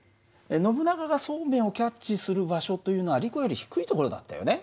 ノブナガがそうめんをキャッチする場所というのはリコより低い所だったよね。